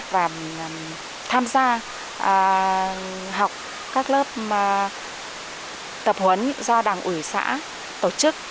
và tham gia học các lớp tập huấn do đảng ủy xã tổ chức